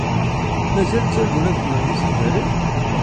Mazal ttargun ad qqlen d isegbaren?